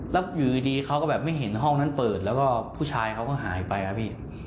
แล้วอยู่ดีเขาก็แบบไม่เห็นห้องนั้นเปิดแล้วก็ผู้ชายเขาก็หายไปครับพี่